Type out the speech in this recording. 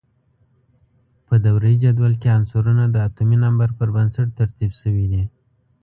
په دوره یي جدول کې عنصرونه د اتومي نمبر پر بنسټ ترتیب شوي دي.